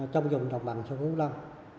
trong dùng đồng bằng sông củ lâm